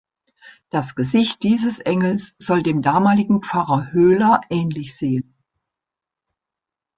Das Gesicht dieses Engels soll dem damaligen Pfarrer Höhler ähnlich sehen.